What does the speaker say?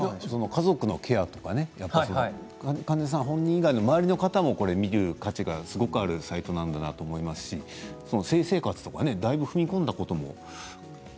家族のケアとか患者さん本人以外の周りの方も見る価値がすごくあるサイトなんだなと思いますし性生活とかだいぶ踏み込んだことも。